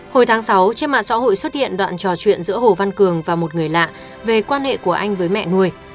hồi tháng sáu trên mạng xã hội xuất hiện đoạn trò chuyện giữa hồ văn cường và một người lạ về quan hệ của anh với mẹ nuôi